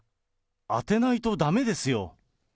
当てないとだめですよ。